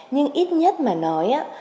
nhưng ít nhất mà nói á